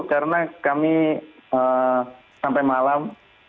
karena kami sampai malam